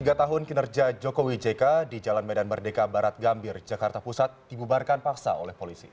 tiga tahun kinerja jokowi jk di jalan medan merdeka barat gambir jakarta pusat dibubarkan paksa oleh polisi